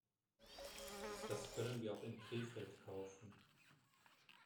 Das können wir auch in Krefeld kaufen